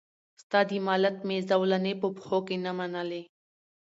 ستا د مالت مي زولنې په پښو کي نه منلې